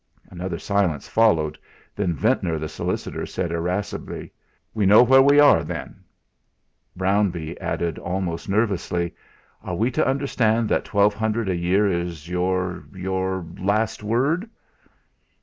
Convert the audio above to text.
Another silence followed, then Ventnor, the solicitor, said irascibly: "We know where we are, then." Brownbee added almost nervously: "Are we to understand that twelve hundred a year is your your last word?"